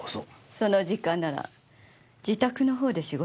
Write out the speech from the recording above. その時間なら自宅のほうで仕事していたわ。